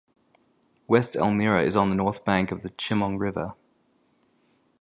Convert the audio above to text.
West Elmira is on the north bank of the Chemung River.